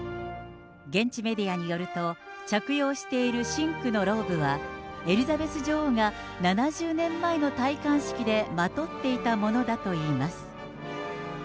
現地メディアによると、着用している真紅のローブは、エリザベス女王が７０年前の戴冠式でまとっていたものだといいます。